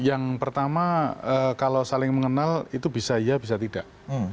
yang pertama kalau saling mengenal itu bisa iya bisa tidak